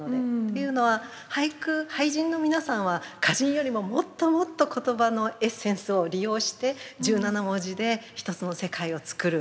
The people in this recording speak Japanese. というのは俳句俳人の皆さんは歌人よりももっともっと言葉のエッセンスを利用して十七文字で一つの世界を作る。